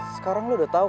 sekarang lo udah tau gak